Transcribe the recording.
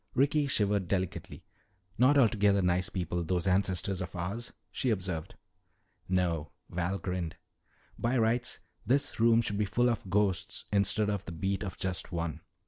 Ricky shivered delicately. "Not altogether nice people, those ancestors of ours," she observed. "No," Val grinned. "By rights this room should be full of ghosts instead of the beat of just one.